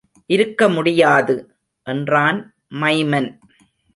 இருக்க முடியாது! என்றான் மைமன்.